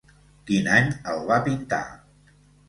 Quin any el va pintar?